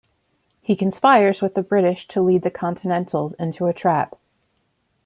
He conspires with the British to lead the Continentals into a trap.